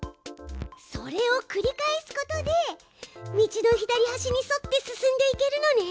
それをくり返すことで道の左はしに沿って進んでいけるのね。